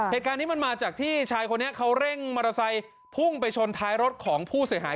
เหตุการณ์นี้มันมาจากที่ชายคนนี้เขาเร่งมอเตอร์ไซค์พุ่งไปชนท้ายรถของผู้เสียหาย